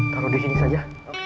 taruh di sini saja